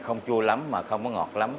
không chua lắm mà không có ngọt lắm